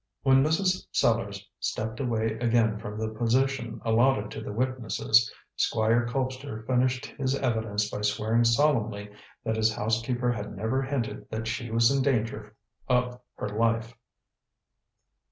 When Mrs. Sellars stepped away again from the position allotted to the witnesses, Squire Colpster finished his evidence by swearing solemnly that his housekeeper had never hinted that she was in danger of her life.